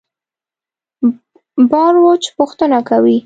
باروچ پوښتنه کوي.